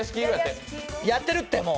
やってるって、もう。